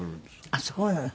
あっそうなの。